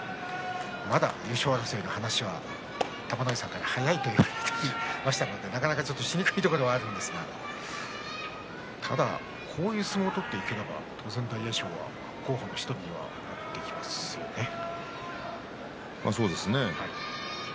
まだ優勝争いの話は玉ノ井さんから早いと言われましたのでしにくいのではありますがただこういう相撲を取っていけば当然優勝というのはそうですね。